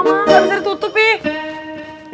mama gak bisa ditutup ih